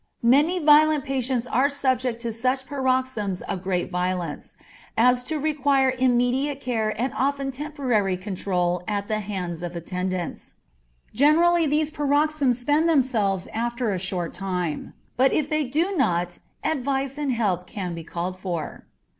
Many violent patients are subject to such paroxysms of great violence as to require immediate care and often temporary control at the hands of attendants. Generally these paroxysms spend themselves after a short time, but if they do not, advice and help can be called for.